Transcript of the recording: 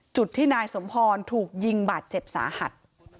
จุดที่นายสมพรถูกยิงบาดเจ็บสาหัส